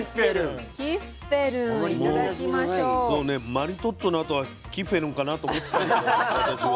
「マリトッツォ」のあとは「キッフェルン」かなと思ってたの私は。